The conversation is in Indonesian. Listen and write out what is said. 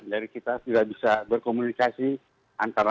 jadi kita tidak bisa berkomunikasi antara